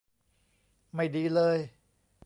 ไม่ดีเลย